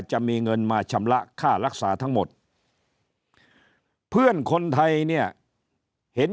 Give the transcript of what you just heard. จะมีเงินมาชำระค่ารักษาทั้งหมดเพื่อนคนไทยเนี่ยเห็น